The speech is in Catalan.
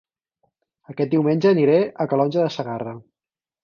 Aquest diumenge aniré a Calonge de Segarra